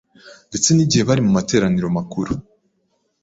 ndetse n’igihe bari mu materaniro makuru.